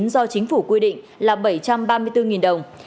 do chính phủ quy định là bảy trăm ba mươi bốn đồng